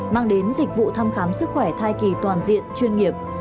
mang đến dịch vụ thăm khám sức khỏe thai kỳ toàn diện chuyên nghiệp